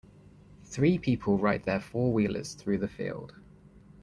Three people ride their four wheelers through the field.